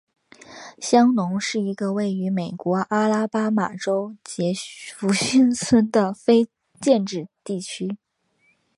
香农是一个位于美国阿拉巴马州杰佛逊县的非建制地区。